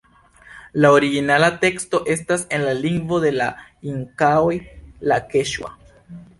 La originala teksto estas en la lingvo de la Inkaoj la keĉua.